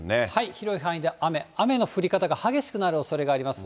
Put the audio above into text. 広い範囲で雨、雨の降り方が激しくなるおそれがあります。